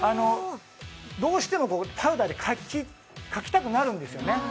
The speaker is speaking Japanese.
どうしてもパウダーで描きたくなるんですよね。